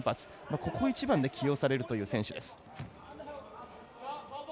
ここ一番で起用されるという選手です。